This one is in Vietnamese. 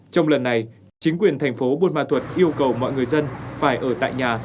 trong lần này chính quyền thành phố buôn ma thuật yêu cầu mọi người dân phải ở tại nhà